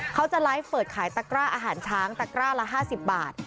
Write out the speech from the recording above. เขาจะไลฟ์เปิดขายตะกร้าอาหารช้างตะกร้าละ๕๐บาท